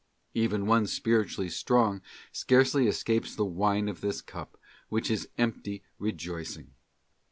'f Even one spiritually strong scarcely escapes the wine of this cup, which is empty rejoicing.